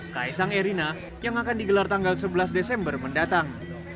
kaisang erina yang akan digelar tanggal sebelas desember mendatang